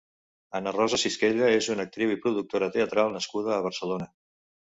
Anna Rosa Cisquella és una actriu i productora teatral nascuda a Barcelona.